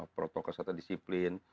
protokol serta disiplin